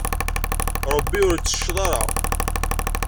Ṛebbi ur yettecceḍ ara.